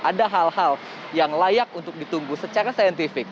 ada hal hal yang layak untuk ditunggu secara saintifik